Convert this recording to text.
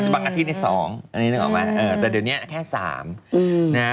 บางอาทิตย์นี้๒อันนี้นึงออกมาแต่เดี๋ยวนี้แค่๓